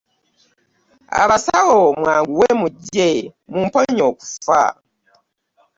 Abasawo mwanguwe mujje mumponye okufa